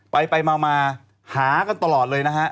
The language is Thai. ไปมาหากันตลอดเลยนะฮะ